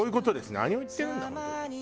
何を言ってるんだ本当に。